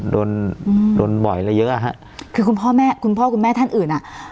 โดนโดนบ่อยแล้วเยอะฮะคือคุณพ่อแม่คุณพ่อคุณแม่ท่านอื่นอ่ะ